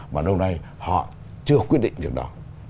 mà lâu nay họ chưa quyết định việc đó